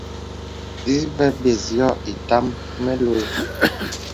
Ìvə bə̀s yɔ̄ɔ̄ ìtàm məluə̀.